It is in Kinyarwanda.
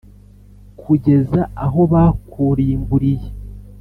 kugeza aho bakurimburiye.